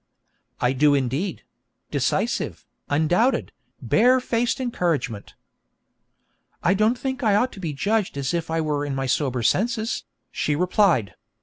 'I do indeed decisive, undoubted, bare faced encouragement.' 'I don't think I ought to be judged as if I were in my sober senses,' she replied.